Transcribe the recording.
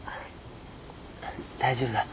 大丈夫だ。